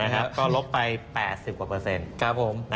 ก็ลบไป๘๐กว่าเปอร์เซ็นต์